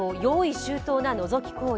周到なのぞき行為。